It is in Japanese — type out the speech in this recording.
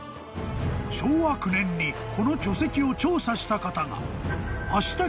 ［昭和９年にこの巨石を調査した方が］